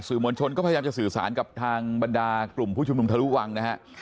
มวลชนก็พยายามจะสื่อสารกับทางบรรดากลุ่มผู้ชุมนุมทะลุวังนะฮะ